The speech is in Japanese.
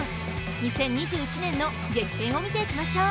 ２０２１年の激変を見ていきましょう！